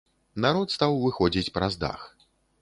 Народ стаў выходзіць праз дах.